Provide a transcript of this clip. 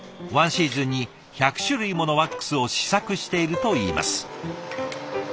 １シーズンに１００種類ものワックスを試作しているといいます。